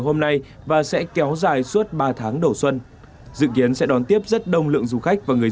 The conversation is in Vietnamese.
hôm nay và sẽ kéo dài suốt ba tháng đầu xuân dự kiến sẽ đón tiếp rất đông lượng du khách và người